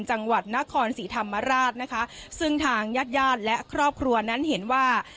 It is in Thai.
จังหวัดนครศรีธรรมราชนะคะซึ่งทางญาติญาติและครอบครัวนั้นเห็นว่า